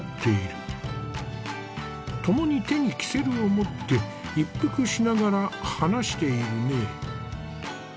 ともに手に煙管を持って一服しながら話しているね。